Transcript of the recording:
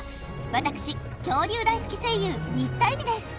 私恐竜大好き声優新田恵海です